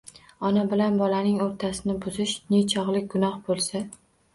Ona bilan bolaning o‘rtasini buzish nechog‘lik gunoh bo‘lsa